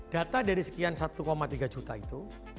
data dari sekian satu tiga juta itu